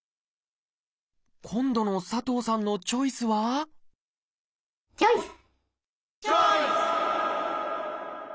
今度の佐藤さんのチョイスはチョイス！